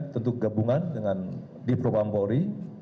tentu gabungan dengan dipropampuri